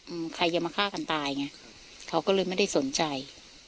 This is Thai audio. อืมใครจะมาฆ่ากันตายไงเขาก็เลยไม่ได้สนใจ